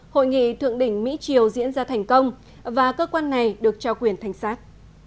hội nghị thượng đỉnh mỹ triều diễn ra thành công và cơ quan này được trao quyền thành sát